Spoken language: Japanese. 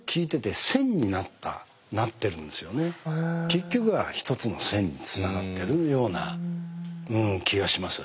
結局は一つの線につながっているようなうん気がします。